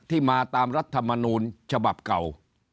มาตามรัฐมนูลฉบับเก่า